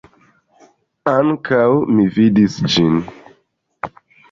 Ankaŭ mi vidis ĝin.